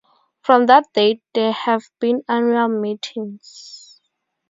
From that date there have been annual meetings.